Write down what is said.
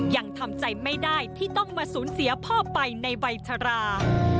ยังทำใจไม่ได้ที่ต้องมาสูญเสียพ่อไปในวัยชรา